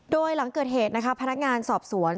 โดยหลังเกิดเหตุนะคะพนักงานสอบสวน